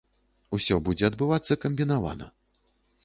Усё будзе адбывацца камбінавана.